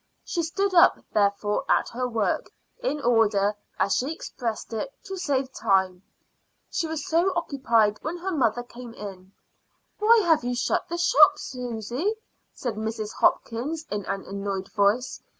She stood up, therefore, at her work, in order, as she expressed it, to save time. She was so occupied when her mother came in. "Why have you shut the shop?" said Mrs. Hopkins in an annoyed voice.